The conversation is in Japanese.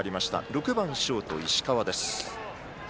６番ショート、石川です。